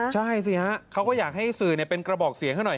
ใช่สิฮะเขาก็อยากให้สื่อเป็นกระบอกเสียงให้หน่อย